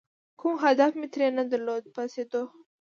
کوم هدف مې ترې نه درلود، پاڅېدو.